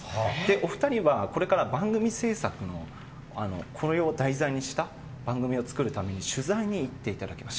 お二人は、これから番組制作のこれを題材にした番組を作るための取材に行っていただきます。